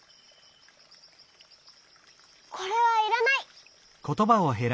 これはいらない。